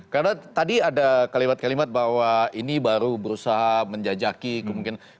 karena tadi ada kalimat kalimat bahwa ini baru berusaha menjajaki kemungkinan